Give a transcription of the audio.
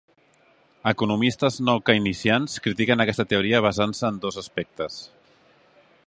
Economistes no keynesians critiquen aquesta teoria basant-se en dos aspectes.